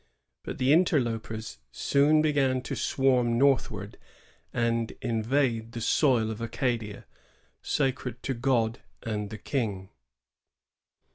But the interlopers soon began to swarm northward and invade the soil of Acadia, sacred to God and the King.